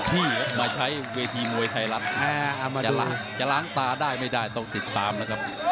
ที่มาใช้เวทีมวยไทยรัฐจะล้างตาได้ไม่ได้ต้องติดตามนะครับ